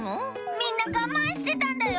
みんながまんしてたんだよ！